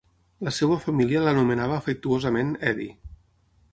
La seva família l'anomenava afectuosament "Edi".